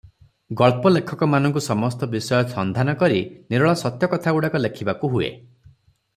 ଗଳ୍ପ ଲେଖକମାନଙ୍କୁ ସମସ୍ତ ବିଷୟ ସନ୍ଧାନ କରି ନିରୋଳ ସତ୍ୟ କଥାଗୁଡିକ ଲେଖିବାକୁ ହୁଏ ।